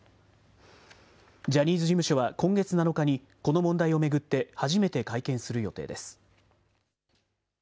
ジャニーズ事務所は今月７日にこの問題を巡って初めて会見する予定です。